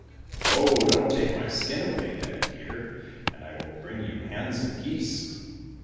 —" Oh ! don't take my skin away, daddy dear, and I will bring you hens and geese."